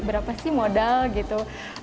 berapa sih modal gitu